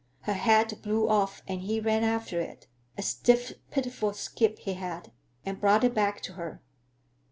Her hat blew off and he ran after it—a stiff, pitiful skip he had—and brought it back to her.